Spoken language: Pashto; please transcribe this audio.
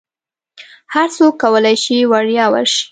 هرڅوک کولی شي وړیا ورشي.